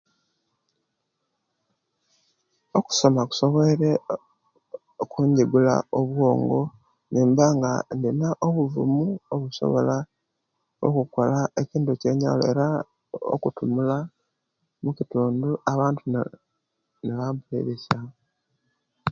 Okusoma kusobwoire okunjigula obwongo niba nga inina obuvumu obusobola okukola ekintu kyonkoyona era okutumula mukitundu abantu niba mpulira